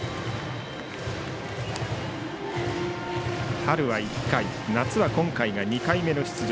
春は１回夏は今回が２回目の出場。